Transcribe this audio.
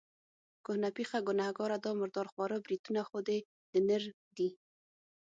کهنه پېخه، ګنهګاره، دا مردار خواره بریتونه خو دې د نر دي.